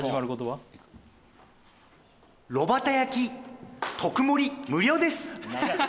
炉端焼き特盛り無料です！